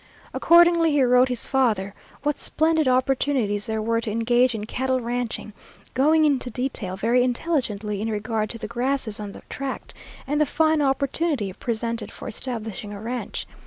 Accordingly he wrote his father what splendid opportunities there were to engage in cattle ranching, going into detail very intelligently in regard to the grasses on the tract and the fine opportunity presented for establishing a ranch.